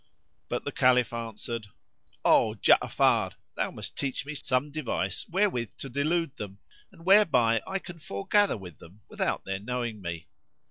But the Caliph answered, "O Ja'afar, thou must teach me some device wherewith to delude them and whereby I can foregather with them without their knowing me."